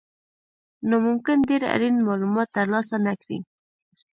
نو ممکن ډېر اړین مالومات ترلاسه نه کړئ.